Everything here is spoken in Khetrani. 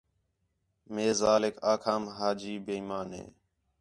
مئے ذالیک آکھام حاجی بے ایمان ہِے